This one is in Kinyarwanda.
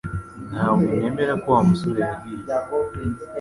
Ntabwo nemera ko Wa musore yagiye